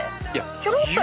ちょろっとよ。